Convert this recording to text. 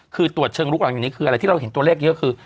คือตรวจเชิงลุกหลังจากนี้คืออะไรที่เราเห็นตัวเลขเยอะคือ